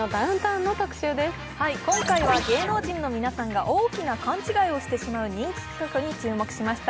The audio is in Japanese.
今回は芸能人の皆さんが大きな勘違いをしてしまう人気企画に注目しました。